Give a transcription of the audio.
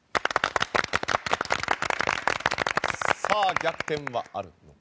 逆転はあるのか。